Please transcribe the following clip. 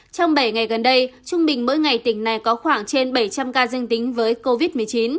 trong bảy ngày gần đây trung bình mỗi ngày tỉnh này có khoảng trên bảy trăm linh ca dương tính với covid một mươi chín